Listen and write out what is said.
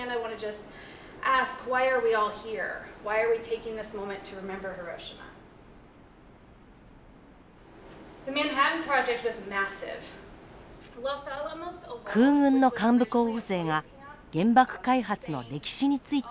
空軍の幹部候補生が原爆開発の歴史について発表します。